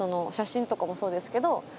写真とかもそうですけど。